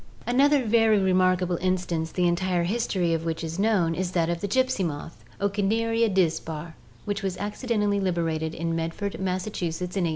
Another very remarkable instance the entire history of which is known is that of the gypsy moth (Ocneria dispar) which was acci dentally liberated in Medford, Massachusetts, in 1869.